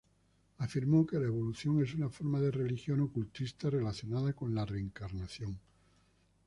Afirmó que la evolución es una forma de religión ocultista relacionada con la reencarnación.